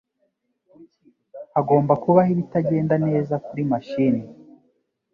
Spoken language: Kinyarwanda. Hagomba kubaho ibitagenda neza kuri mashini